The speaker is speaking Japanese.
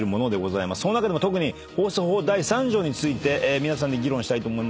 その中でも特に放送法第３条について皆さんで議論したいと思います。